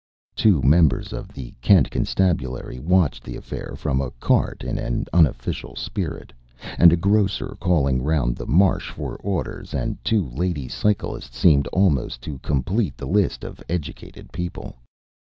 Two members of the Kent constabulary watched the affair from a cart in an unofficial spirit, and a grocer calling round the Marsh for orders and two lady cyclists seem almost to complete the list of educated people.